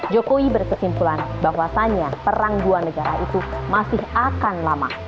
jokowi berkesimpulan bahwasannya perang dua negara itu masih akan lama